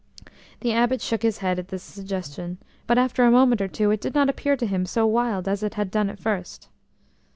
The Abbot shook his head at this suggestion, but after a moment or two it did not appear to him so wild as it had done at first.